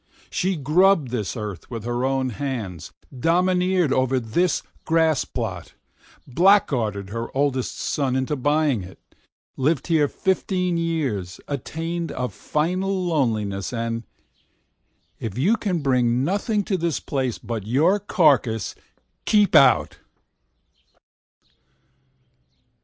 She grubbed this earth with her own hands, domineered over this grass plot, blackguarded her oldest son into buying it, lived here fifteen years, attained a final loneliness and If you can bring nothing to this place but your carcass, keep out.